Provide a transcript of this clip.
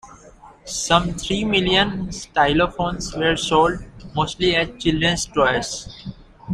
Some three million Stylophones were sold, mostly as children's toys.